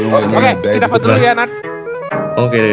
oh itu penting itu